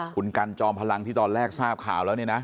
คุณกันจอมพลังที่ตอนแรกทราบข่าวแล้วเนี่ยนะ